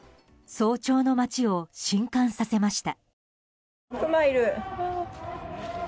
早朝の街を震撼させました。